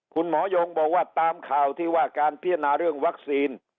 คุณหมอยงบอกว่าตามข่าวที่ว่าการพิจารณาเรื่องวัคซีน